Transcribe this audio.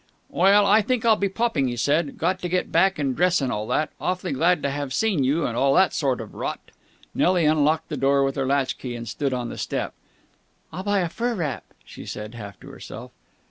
"Well, I think I'll be popping," he said. "Got to get back and dress and all that. Awfully glad to have seen you, and all that sort of rot." Nelly unlocked the door with her latch key, and stood on the step. "I'll buy a fur wrap," she said, half to herself.